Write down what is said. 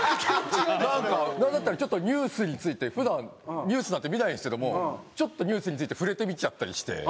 なんだったらちょっとニュースについて普段ニュースなんて見ないんですけどもちょっとニュースについて触れてみちゃったりして。